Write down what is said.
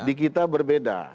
di kita berbeda